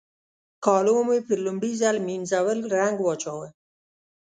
کالو مې په لومړي ځل مينځول رنګ واچاوو.